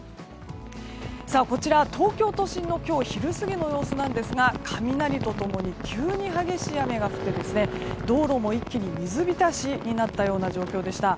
こちら、東京都心の今日昼過ぎの様子なんですが雷と共に急に激しい雨が降って道路も一気に水浸しになったような状況でした。